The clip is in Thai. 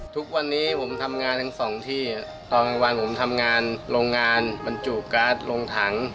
ทุกวันนี้ผมทำงานทั้งสองที่ตอนกลางวันผมทำงานโรงงานบรรจุการ์ดลงถัง